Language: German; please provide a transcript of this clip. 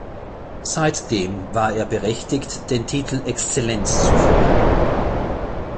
Seitdem war er berechtigt den Titel Excellenz zu führen.